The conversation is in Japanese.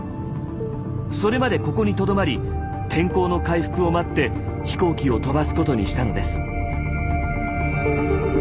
それまでここにとどまり天候の回復を待って飛行機を飛ばすことにしたのです。